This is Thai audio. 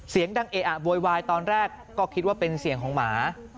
เสียงดังเออะโวยวายตอนแรกก็คิดว่าเป็นเสียงของหมา